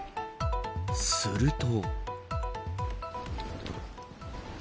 すると。